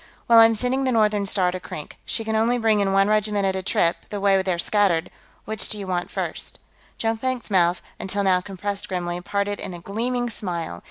"Well, I'm sending the Northern Star to Krink. She can only bring in one regiment at a trip, the way they're scattered; which one do you want first?" Jonkvank's mouth, until now compressed grimly, parted in a gleaming smile.